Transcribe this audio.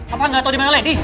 apaan gak tau dimana lady